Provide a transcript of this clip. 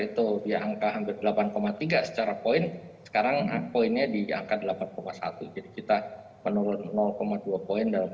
itu diangkat hampir delapan tiga secara poin sekarang aku ini diangkat delapan satu kita menurut dua poin dalam